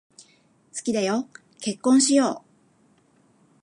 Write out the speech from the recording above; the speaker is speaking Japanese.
好きだよ、結婚しよう。